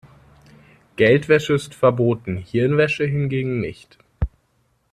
Geldwäsche ist verboten, Hirnwäsche hingegen nicht.